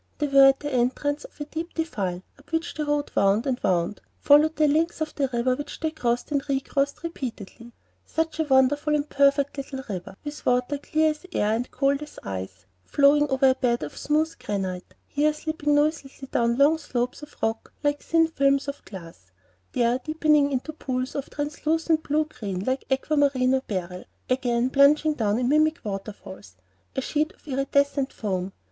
They were at the entrance of a deep defile, up which the road wound and wound, following the links of the river, which they crossed and recrossed repeatedly. Such a wonderful and perfect little river, with water clear as air and cold as ice, flowing over a bed of smooth granite, here slipping noiselessly down long slopes of rock like thin films of glass, there deepening into pools of translucent blue green like aqua marine or beryl, again plunging down in mimic waterfalls, a sheet of iridescent foam.